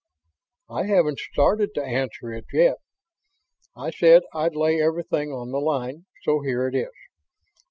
"I haven't started to answer it yet. I said I'd lay everything on the line, so here it is.